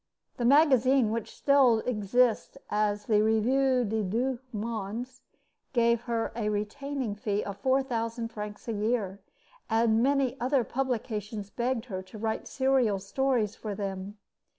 The magazine which still exists as the Revue des Deux Mondes gave her a retaining fee of four thousand francs a year, and many other publications begged her to write serial stories for them.